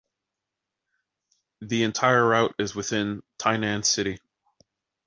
The entire route is within Tainan City.